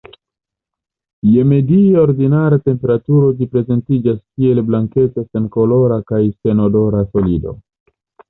Je media ordinara temperaturo ĝi prezentiĝas kiel blankeca-senkolora kaj senodora solido.